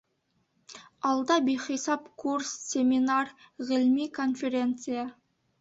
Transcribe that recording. Алда — бихисап курс, семинар, ғилми конференция...